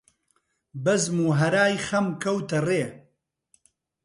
بەزم و هەرای خەم کەوتە ڕێ